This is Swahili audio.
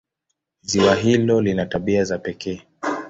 Ziwa hilo lina tabia za pekee.